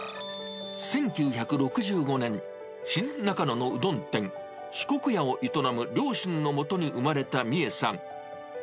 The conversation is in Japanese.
１９６５年、新中野のうどん店、四国屋を営む両親のもとに生まれた美恵さん。